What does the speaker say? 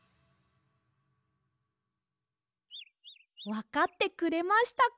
わかってくれましたか？